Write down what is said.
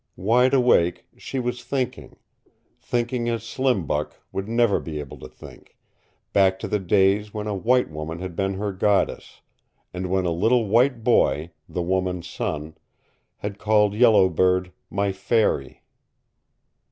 Wide awake, she was thinking thinking as Slim Buck would never be able to think, back to the days when a white woman had been her goddess, and when a little white boy the woman's son had called Yellow Bird "my fairy."